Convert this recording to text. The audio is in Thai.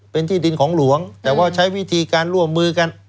เป็นที่ดินของหลวงแต่ว่าใช้วิธีการร่วมมือกัน